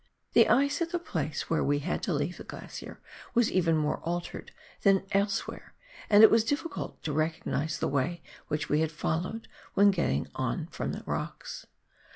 The ice at the place where we had to leave the glacier was even more altered than elsewhere, and it was difficult to recognise the way which we had followed when getting on from the rocks.